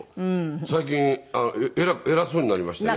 最近偉そうになりましてね。